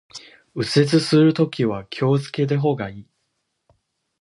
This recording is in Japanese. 右折するときは気を付けた方がいい